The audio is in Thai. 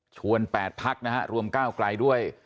ชวนแปดพักนะฮะรวมเก้าไกลด้วย